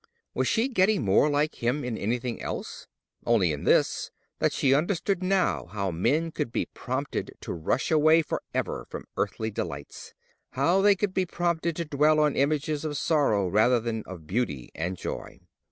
Was she getting more like him in anything else? Only in this, that she understood now how men could be prompted to rush away for ever from earthly delights, how they could be prompted to dwell on images of sorrow rather than of beauty and joy.